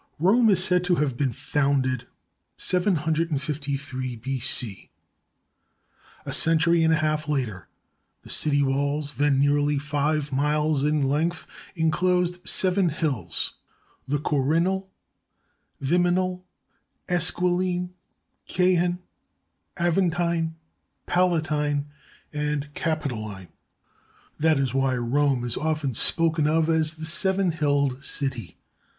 Rome is said to have been founded 753 B.C. A century and a half later, the city walls, then nearly five miles in length, inclosed seven hills, the Quirinal, Viminal, Esquiline, Caehan, Aven tine, Palatine, and Capitoline. That is why Rome is often spoken of as the seven hilled city.